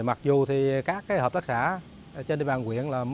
mặc dù các hợp tác xã trên địa bàn huyện